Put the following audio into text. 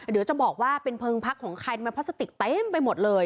เดี๋ยวจะบอกว่าเป็นเพลิงพักของใครมันพลาสติกเต็มไปหมดเลย